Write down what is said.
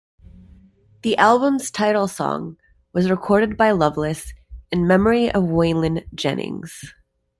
The album's title song was recorded by Loveless in memory of Waylon Jennings.